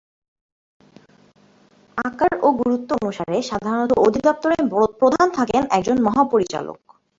আকার ও গুরুত্ব অনুসারে সাধারণত অধিদপ্তরের প্রধান থাকেন একজন মহাপরিচালক।